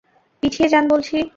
পিছিয়ে যান বলছি!